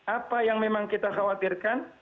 apa yang memang kita khawatirkan